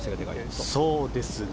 そうですね。